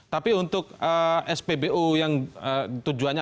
tapi untuk spbu yang tujuannya